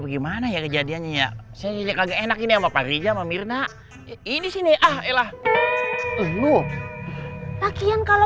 bagaimana ya kejadiannya saya jadi enak ini apa rizal mirna ini sini ah elah dulu bagian kalau